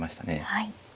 はい。